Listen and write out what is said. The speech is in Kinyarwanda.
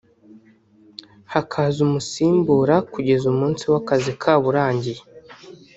hakaza umusimbura kugeza umunsi w’akazi kabo urangiye)